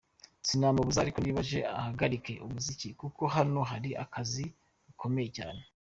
sinamubuza ariko niba aje ahagarike umuziki, kuko hano hari akazi gakomeye cyane”.